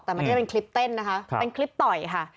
แต่ไม่ได้เป็นคลิปเต้นนะคะเป็นคลิปต่อยค่ะ